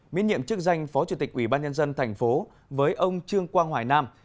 miễn nhiệm chức danh phó chủ tịch ủy ban nhân dân tp với ông trương quang hoài nam